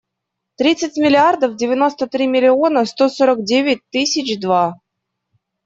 Тринадцать миллиардов девяносто три миллиона сто сорок девять тысяч два.